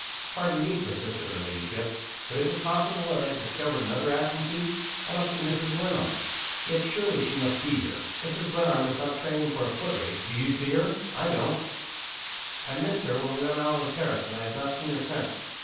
"Pardon me," persisted her ladyship "but is it possible that I have discovered another absentee? I don't see Mrs. Glenarm. Yet surely she must be here! Mrs. Glenarm is not training for a foot race. Do you see her? I don't." "I missed her when we went out on the terrace, and I have not seen her since."